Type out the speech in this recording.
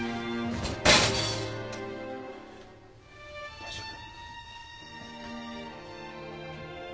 大丈夫？